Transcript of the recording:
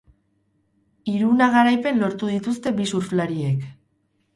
Hiruna garaipen lortu dituzte bi surflariek.